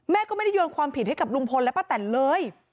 ก็ไม่ได้โยนความผิดให้กับลุงพลและป้าแตนเลย